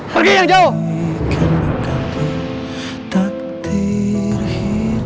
pergi yang jauh